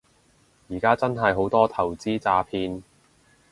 而家真係好多投資詐騙